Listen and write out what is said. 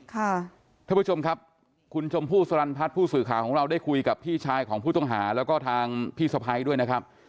ท่านผู้ชมครับคุณชมพู่สลันพัฒน์ผู้สื่อข่าวของเราได้คุยกับพี่ชายของผู้ต้องหาแล้วก็ทางพี่สะพ้ายด้วยนะครับ